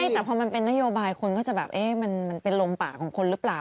แต่พอมันเป็นนโยบายคนก็จะแบบมันเป็นลมปากของคนหรือเปล่า